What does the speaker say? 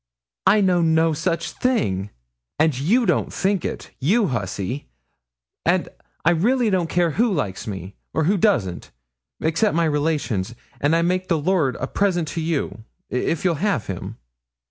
'I know no such thing; and you don't think it, you hussy, and I really don't care who likes me or who doesn't, except my relations; and I make the lord a present to you, if you'll have him.'